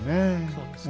そうですね。